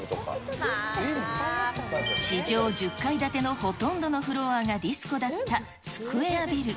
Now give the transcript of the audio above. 地上１０階建てのほとんどのフロアがディスコだったスクエアビル。